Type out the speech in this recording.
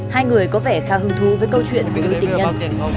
hai người có vẻ khá hứng thú với câu chuyện về đôi tình nhân